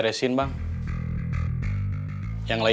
terima kasih banyak pak